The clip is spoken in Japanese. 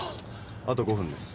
あと５分です。